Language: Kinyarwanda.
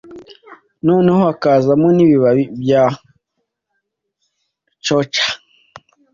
noneho hakazamo n’ibibabi bya coca